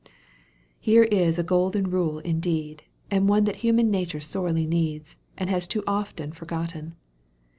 Here is a golden rule indeed, and one that human nature sorely needs, and has too often forgotten.